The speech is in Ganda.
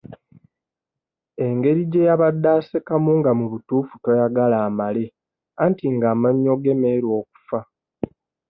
Engeri gye yabadde asekamu nga mu butuufu toyagala amale anti ng'amannyo ge meeru okufa.